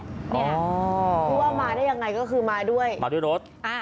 กู้มาได้ยังไงก็คือมาด้วยมาด้วยรถ